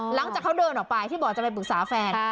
หลังจากเขาเดินออกไปที่บอกจะไปปรึกษาแฟน